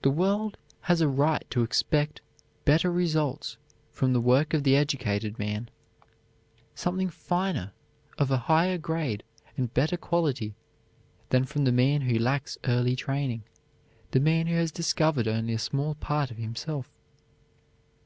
The world has a right to expect better results from the work of the educated man; something finer, of a higher grade, and better quality, than from the man who lacks early training, the man who has discovered only a small part of himself.